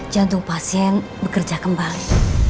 jantung pasien bekerja kembali